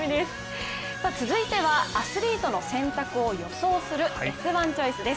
続いては、アスリートの選択を予想するＳ☆１チョイスです。